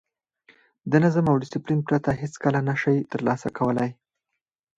د نظم او ډیسپلین پرته هېڅکله نه شئ ترلاسه کولای.